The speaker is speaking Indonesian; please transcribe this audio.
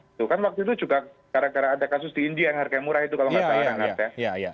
itu kan waktu itu juga gara gara ada kasus di india yang harganya murah itu kalau nggak salah renat ya